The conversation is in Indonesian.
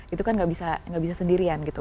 itu kan gak bisa sendirian gitu